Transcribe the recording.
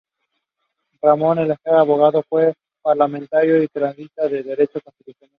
Ramón Elejalde, abogado; fue parlamentario y tratadista de derecho constitucional.